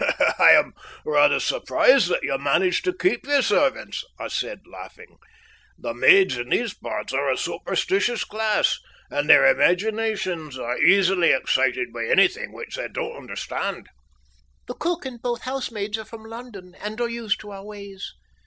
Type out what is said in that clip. "I am rather surprised that you manage to keep your servants," I said, laughing. "The maids in these parts are a superstitious class, and their imaginations are easily excited by anything which they don't understand." "The cook and both housemaids are from London, and are used to our ways.